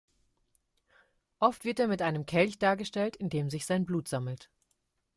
Oft wird er mit einem Kelch dargestellt, in dem sich sein Blut sammelt.